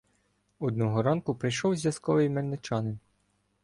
Одного ранку прийшов зв'язковий-мельничанин.